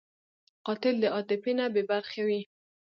قاتل د عاطفې نه بېبرخې وي